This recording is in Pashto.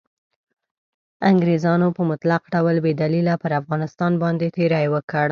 انګریزانو په مطلق ډول بې دلیله پر افغانستان باندې تیری وکړ.